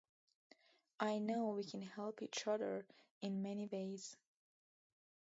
I know we can help each other in many ways.